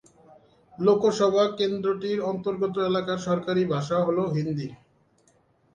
লোকসভা কেন্দ্রটির অন্তর্গত এলাকার সরকারি ভাষা হল হিন্দি।